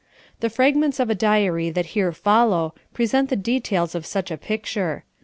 The fragments of a diary that here follow present the details of such a picture.